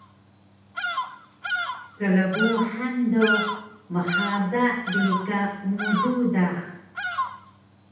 Krpuhan do mhada bi ka mudu da